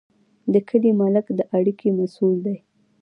د کلي ملک د اړیکو مسوول وي.